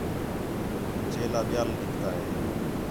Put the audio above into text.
چیلا ٻِیال نِکتا ہِے